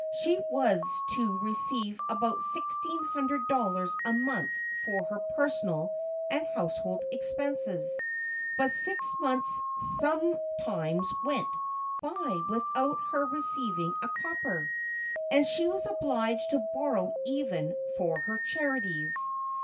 She was to re ceive about sixteen hundred dollars a month for her personal and household expenses, but six months some 532 THE QUEEN AND HER SUPERINTENDENT times went by without her receiving a copper, and she was obliged to borrow even for her charities.